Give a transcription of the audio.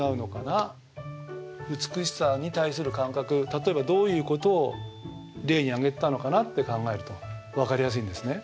例えばどういうことを例に挙げてたのかなって考えると分かりやすいんですね。